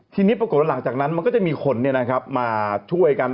ทีนี้ปรากฏว่าหลังจากนั้นมันก็จะมีคนมาช่วยกัน